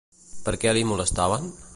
Per què li molestaven?